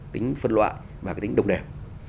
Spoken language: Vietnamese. tính phân loại và cái tính đồng đềm